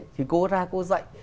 thì cô ra cô dạy